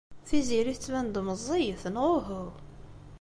Tiziri tettban-d meẓẓiyet neɣ uhu?